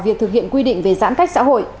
việc thực hiện quy định về giãn cách xã hội